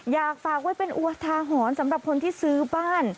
อยากฝากไว้เป็นอุทาหรณ์สำหรับคนที่ซื้อบ้าน